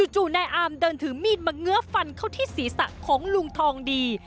จู่นายอามเดินถือมีดมาเงื้อฟันเข้าที่ศีรษะของลุงทองดี